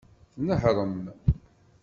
Tnehṛem.